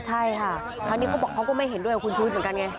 ใช่ค่ะครั้งนี้เขาบอกเขาก็ไม่เห็นด้วยกับคุณชุวิตเหมือนกันไง